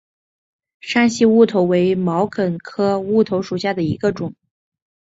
山西乌头为毛茛科乌头属下的一个种。